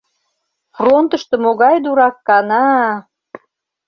— Фронтышто могай дурак кана?!